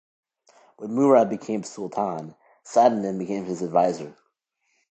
When Murad became Sultan, Sadeddin became his advisor.